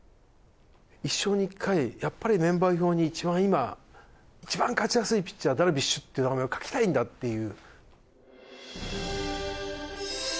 一生に一回やっぱりメンバー表に一番今一番勝ちやすいピッチャーダルビッシュっていう名前を書きたいんだっていう。